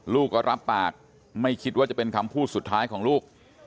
ลูกก็รับปากไม่คิดว่าจะเป็นคำพูดสุดท้ายของลูก